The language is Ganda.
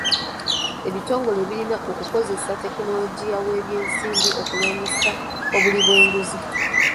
Ebitongole birina okukozesa tekinologiya w'ebyensimbi okulwanisa obuli bw'enguzi.